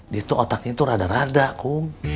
di itu otaknya itu rada rada kum